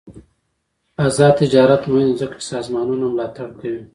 آزاد تجارت مهم دی ځکه چې سازمانونه ملاتړ کوي.